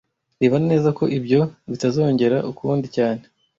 Reba neza ko ibyo bitazongera ukundi cyane